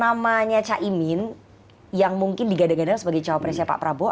namanya caimin yang mungkin digadang gadang sebagai cawapresnya pak prabowo